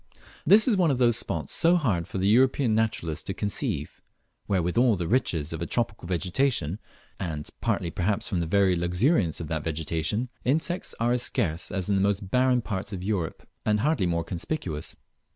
This is one of those spots so hard for the European naturalist to conceive, where with all the riches of a tropical vegetation, and partly perhaps from the very luxuriance of that vegetation, insects are as scarce as in the most barren parts of Europe, and hardly more conspicuous.